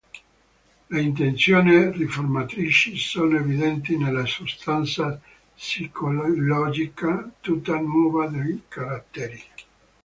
Le intenzioni riformatrici sono evidenti nella sostanza psicologica tutta nuova dei caratteri.